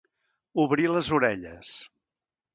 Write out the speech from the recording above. Obrir les orelles.